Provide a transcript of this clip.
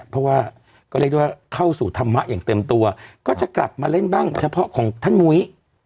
เพราะว่าก็เรียกได้ว่าเข้าสู่ธรรมะอย่างเต็มตัวก็จะกลับมาเล่นบ้างเฉพาะของท่านมุ้ย